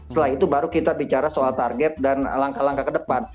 setelah itu baru kita bicara soal target dan langkah langkah ke depan